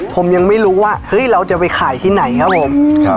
ผมยังไม่รู้ว่าเฮ้ยเราจะไปขายที่ไหนครับผม